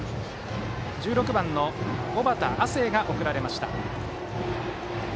１６番の小畑亜聖が送られました。